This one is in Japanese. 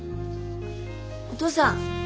お父さん。